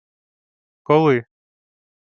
— Коли?